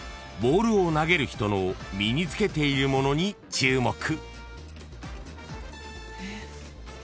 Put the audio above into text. ［ボールを投げる人の身に着けているものに注目］